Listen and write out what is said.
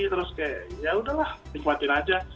terus kayak ya udahlah nikmatin aja